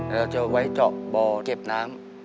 เราจะไว้เจาะบ่อเก็บน้ำ